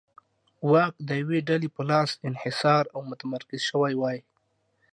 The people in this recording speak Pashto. واک د یوې ډلې په لاس انحصار او متمرکز شوی وای.